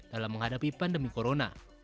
dalam menghadapi pandemi corona